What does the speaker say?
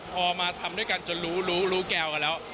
พอมาทำด้วยกันจนรู้รู้แก้วกันแล้ว